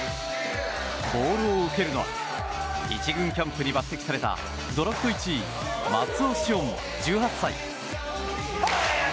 ボールを受けるのは１軍キャンプに抜擢されたドラフト１位松尾、１８歳。